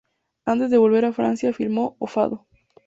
Antes de volver a Francia filmó "O Fado".